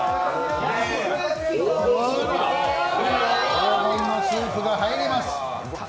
黄金のスープが入ります。